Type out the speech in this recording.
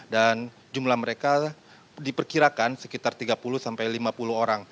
dan jumlah mereka diperkirakan sekitar tiga puluh sampai lima puluh orang